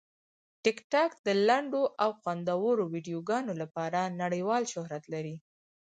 ټیکټاک د لنډو او خوندورو ویډیوګانو لپاره نړیوال شهرت لري.